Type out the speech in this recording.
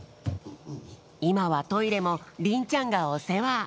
いまはトイレもりんちゃんがおせわ。